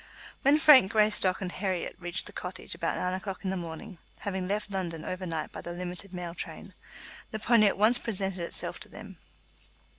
When Frank Greystock and Herriot reached the cottage about nine o'clock in the morning, having left London over night by the limited mail train, the pony at once presented itself to them.